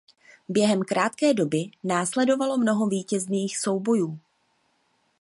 Během krátké doby následovalo mnoho vítězných soubojů.